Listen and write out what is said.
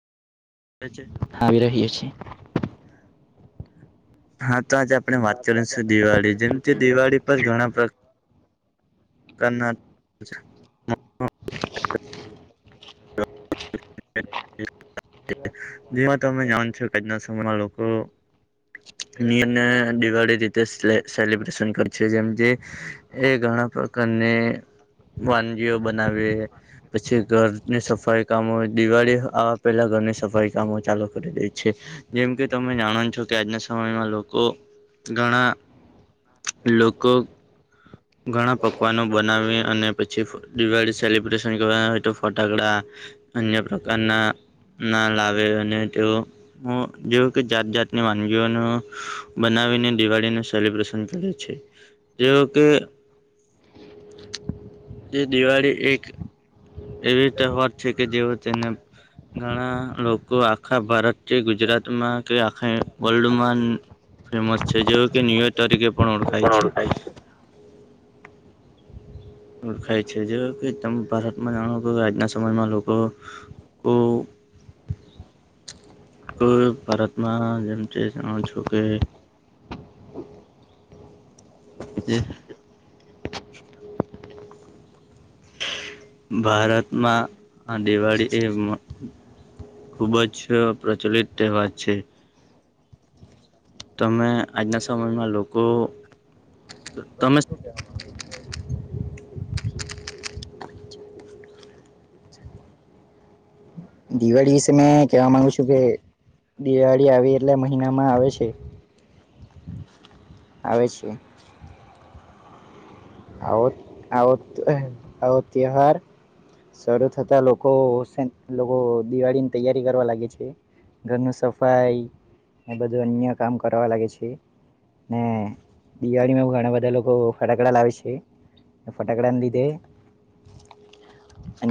[unintelligible] આવી રહીએ છે. હા તો આજે આપણે વાત કરીશું દિવાળી જેમથી દિવાળી પર ઘણા પ્રકાર કર્ણાટક જેમાં તમે જાણ છો કે [unintelligible] લોકો. મ દિવાળી રીતે સેલિબ્રેશન કર છે જેમ કે એ ઘણા પ્રકારને વાનગીઓ બનાવી પછી ઘરની સફાઈ કામો દિવાળી આવા પેલા ઘરની સફાઈ કામ ચાલુ કરી દે છે જેમ કે તમે જાણો છો કે આજના સમયમાં લોકો ઘણા લોકો ઘણા પકવાનો બનાવી અને પછી દિવાળ સેલિબ્રેશન કરના હોય તો ફટાકડા અન્ય પ્રકારના ના લાવે અને તેઓ હું જેવું કે જાત જાતની વાનગીઓને બનાવીને દિવાળીનું સેલિબ્રેશન કરે છે. જેવું કે [inaudible] તે દિવાળી એક એવી [unintelligible] છે કે જેઓ તેને ઘણા લોકો આખા ભારત જે ગુજરાતમાં કે આખ વર્લ્ડમાં ફેમસ છે જેવું કે ન્યુર્ તરીકે પણ ઓળખાય છે. ઓળખાય છે જે કે તમે ભારતમાં જાણો આજના સમયમાં લોકો કોઈ ભારતમાં જેમ કે જાણ છો કે. [inaudible] ભારતમાં દિવાળી એ ખૂબજ પ્રચલિત તહેવાર છે. તમે આજના સમયમાં લોકો તમે દિવાળી વિશે મેં કેવા માંગુ છું કે દિવાળી આવે એટલે મહિનામાં આવે છે. આવે છે. આવો તહેવાર શરૂ થતા લોકો લોકો દિવાળીની તૈયારી કરવા લાગે છે. ઘરનું સફાઈ એ બધું અન્ય કામ કરવા લાગે છે. ને દિવાળી માં ઘણા બધા લોકો ફટાકડા લાવે છે. ઓકે ફટાકડાને લીધે